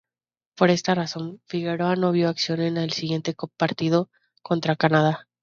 Por esta razón, Figueroa no vio acción en el siguiente partido contra Canadá.